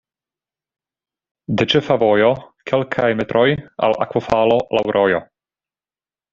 De ĉefa vojo kelkaj metroj al akvofalo laŭ rojo.